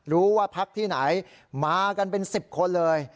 รู้ว่าพักที่ไหนมากันเป็น๑๐คนเลย